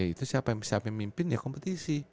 itu siapa yang mimpin ya kompetisi